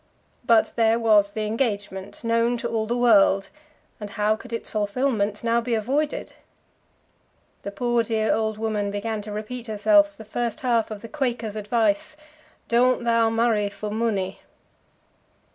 But there was the engagement, known to all the world, and how could its fulfilment now be avoided? The poor dear old woman began to repeat to herself the first half of the Quaker's advice, "Doan't thou marry for munny."